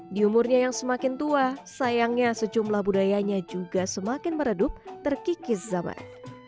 di umurnya yang semakin tua sayangnya sejumlah budayanya juga semakin meredup terkikis zaman